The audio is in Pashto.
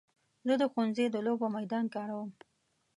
زه د ښوونځي د لوبو میدان کاروم.